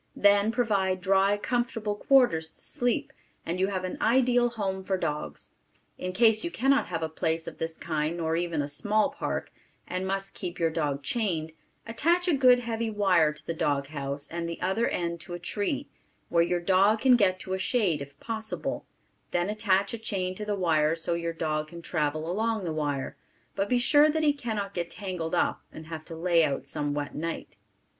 Then provide dry, comfortable quarters to sleep, and you have an ideal home for dogs. In case you cannot have a place of this kind nor even a small park, and must keep your dog chained, attach a good heavy wire to the dog house and the other end to a tree, where your dog can get to a shade if possible; then attach a chain to the wire so your dog can travel along the wire; but be sure that he cannot get tangled up and have to lay out some wet night.